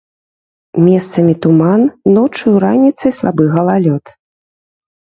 Месцамі туман, ноччу і раніцай слабы галалёд.